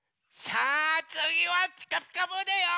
さあつぎは「ピカピカブ！」だよ！